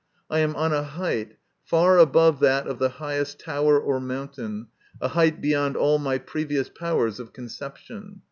I am on a height far above that of the highest tower or mountain, a height beyond all my previous powers of conception.